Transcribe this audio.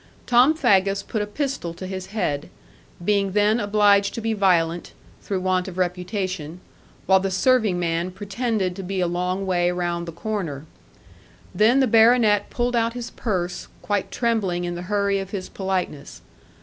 Tom Faggus put a pistol to his head, being then obliged to be violent, through want of reputation; while the serving man pretended to be along way round the corner. Then the baronet pulled out his purse, quite trembling in the hurry of his politeness.